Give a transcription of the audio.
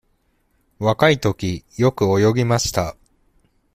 若いとき、よく泳ぎました。